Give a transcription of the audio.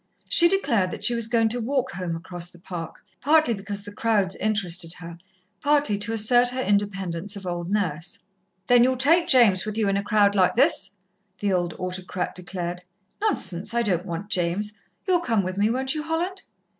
She declared that she was going to walk home across the Park, partly because the crowds interested her, partly to assert her independence of old Nurse. "Then you'll take James with you, in a crowd like this," the old autocrat declared. "Nonsense, I don't want James. You'll come with me, won't you, Holland?"